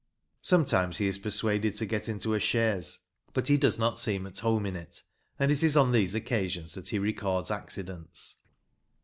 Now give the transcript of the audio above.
Sometimes he is persuaded to get into a chaise, but he does not seem at home in it, and it is on these occasions that he records accidents.